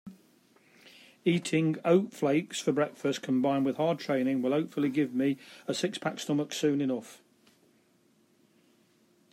Eating oat flakes for breakfast combined with hard training will hopefully give me a six-pack stomach soon enough.